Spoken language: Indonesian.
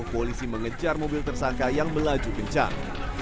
polisi mengejar mobil tersangka yang melaju kencang